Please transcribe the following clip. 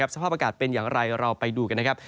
สภาพอากาศเป็นอย่างไรเราไปดูกันนะครับ